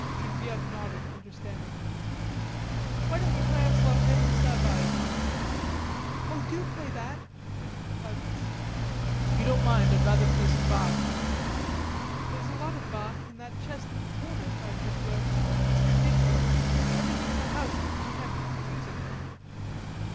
Genevieve nodded understandingly. "Why don't you play us La Reine de Saba, Jean?" "Oh, do play that," twittered the cousins. "If you don't mind, I'd rather play some Bach." "There's a lot of Bach in that chest in the corner," cried Genevieve. "It's ridiculous; everything in the house is jammed with music."